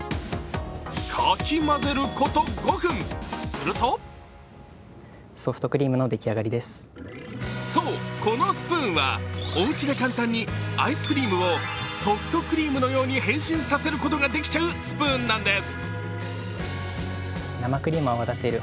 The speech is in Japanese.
かき混ぜること５分、するとそうこのスプーンはおうちで簡単にアイスクリームをソフトクリームのように変身させることができちゃうスプーンなんです。